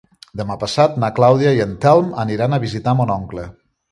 Demà passat na Clàudia i en Telm aniran a visitar mon oncle.